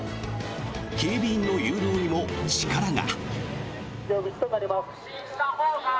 警備員の誘導にも力が。